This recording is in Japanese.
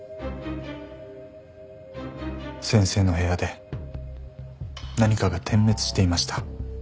先生の部屋で何かが点滅していました。